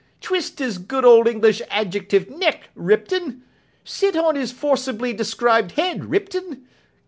Twist his good old English adjectived neck, Ripton! Sit on his forcibly described head, Ripton!